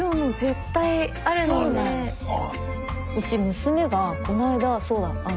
うち娘がこないだそうだ。